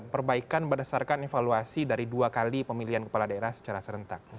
perbaikan berdasarkan evaluasi dari dua kali pemilihan kepala daerah secara serentak